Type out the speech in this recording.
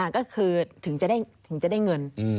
ก็คือถึงจะได้เงิน